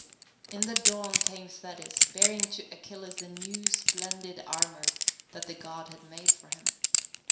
In the dawn came Thetis, bearing to Achilles the new splendid armour that the God had made for him.